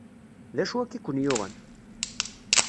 D acu akka i ken-yuɣen?